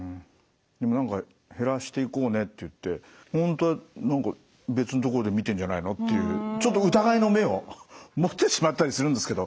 何か「減らしていこうね」って言って本当は何か別の所で見てるんじゃないのっていうちょっと疑いの目を持ってしまったりするんですけど。